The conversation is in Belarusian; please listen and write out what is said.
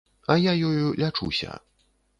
А я ёю лячуся.